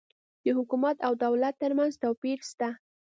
د حکومت او دولت ترمنځ توپیر سته